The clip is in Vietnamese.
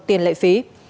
tiền lệ phí